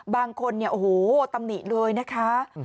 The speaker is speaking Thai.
บางคนโอ้โฮตำนี่เลยนะฮะ